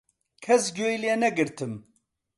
کەس گوێی لێنەگرتم.